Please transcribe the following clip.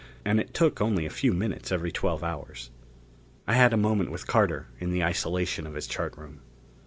And it took only a few minutes every twelve hours. I had a moment with Carter in the isolation of his chart room.